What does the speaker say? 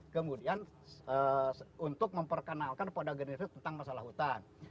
kemudian untuk memperkenalkan pada generasi tentang masalah hutan